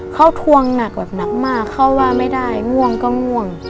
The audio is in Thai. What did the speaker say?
เขาทวงหนักแบบหนักมากเขาว่าไม่ได้ง่วงก็ง่วง